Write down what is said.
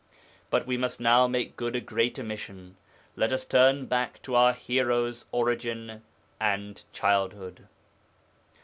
But we must now make good a great omission. Let us turn back to our hero's origin and childhood.